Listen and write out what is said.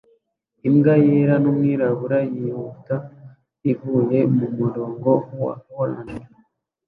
Imbwa yera numwirabura yihuta ivuye mumurongo wa orange